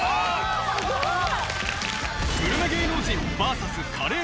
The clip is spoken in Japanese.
・すごい！